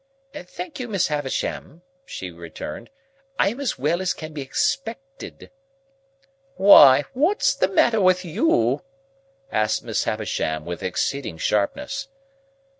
"Thank you, Miss Havisham," she returned, "I am as well as can be expected." "Why, what's the matter with you?" asked Miss Havisham, with exceeding sharpness.